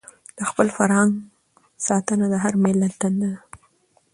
د خپل فرهنګ ساتنه د هر ملت دنده ده.